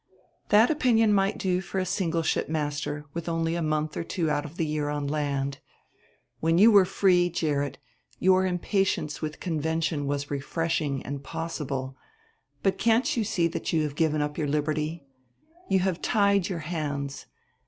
"That opinion might do for a single shipmaster, with only a month or two out of the year on land. When you were free, Gerrit, your impatience with convention was refreshing and possible. But can't you see that you have given up your liberty! You have tied your hands.